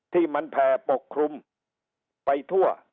ที่มันแผ่ปกคลุมไปทั่ว